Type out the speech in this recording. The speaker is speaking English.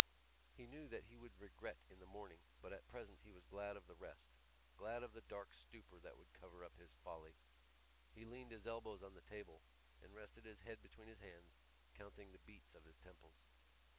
He knew that he would regret in the morning but at present he was glad of the rest, glad of the dark stupor that would cover up his folly. He leaned his elbows on the table and rested his head between his hands, counting the beats of his temples.